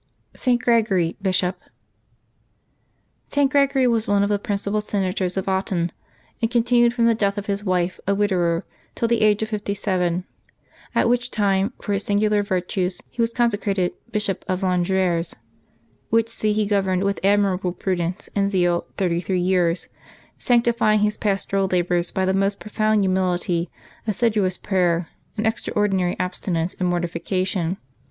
ST. GREGORY, Bishop. [t. Gregory was one of the principal senators of Autun, and continued from the death of his wife a widower till the age of fifty seven, at which time, for his singular virtues, he was consecrated Bishop of Langres, which see he governed with admirable prudence and zeal thirty three years, sanctifying his pastoral labors by the most profound humility, assiduous prayer, and extraordinary abstinence and mortification.